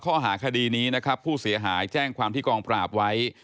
ข้อหาคดีนี้นะครับผู้เสียหายแจ้งความที่กองปราบไว้